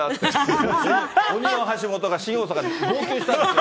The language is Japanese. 鬼の橋下が新大阪で号泣したんですよ。